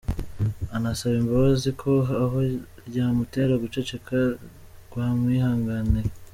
Anasaba imbabazi ko aho ryamutera guceceka rwamwihanganira.